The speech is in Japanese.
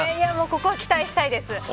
ここ、期待したいです。